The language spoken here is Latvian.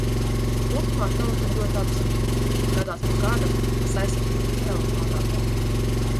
Kopumā tauta ir ļoti apzinīga, gadās pa kādam, kas azisapņojies telefonā.